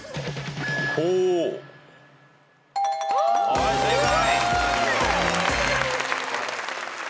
はい正解。